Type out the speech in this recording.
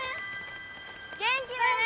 元気でね！